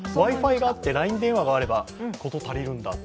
Ｗｉ−Ｆｉがあって、ＬＩＮＥ電話があれば事足りるんだと。